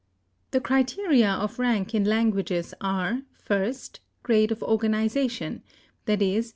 The criteria of rank in languages are, first, grade of organization, _i.e.